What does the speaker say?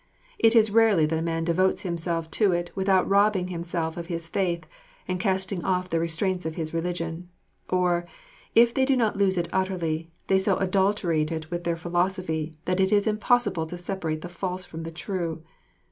It is rarely that a man devotes himself to it with out robbing himself of his faith, and casting off the restraints of his religion; or, if they do not lose it utterly, they so adulterate it with their philosophy that it is impossible to separate the false from the true.